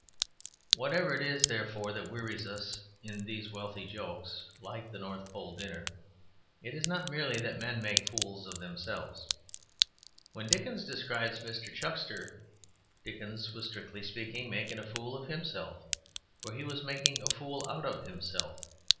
Whatever it is, therefore, that wearies us in these wealthy jokes (like the North Pole Dinner) it is not merely that men make fools of themselves. When Dickens described Mr. Chuckster, Dickens was, strictly speaking, making a fool of himself; for he was making a fool out of himself.